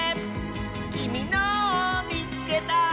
「きみのをみつけた！」